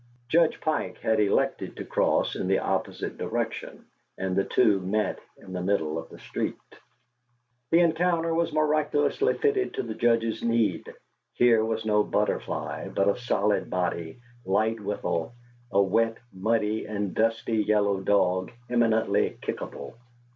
Judge Pike had elected to cross in the opposite direction, and the two met in the middle of the street. The encounter was miraculously fitted to the Judge's need: here was no butterfly, but a solid body, light withal, a wet, muddy, and dusty yellow dog, eminently kickable.